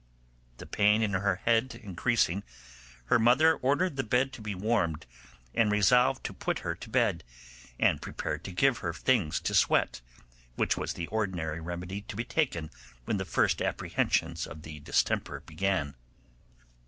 The pain in her head increasing, her mother ordered the bed to be warmed, and resolved to put her to bed, and prepared to give her things to sweat, which was the ordinary remedy to be taken when the first apprehensions of the distemper began.